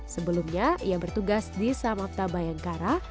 sebelumnya ia bertugas di samapta bayangkara